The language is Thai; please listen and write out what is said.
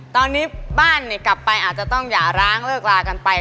ตอนนี้บ้านกลับไปอาจจะต้องหย่าร้างเลิกลากันไป